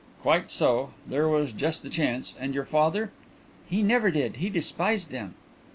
"Quite so; there was just the chance. And your father?" "He never did. He despised them."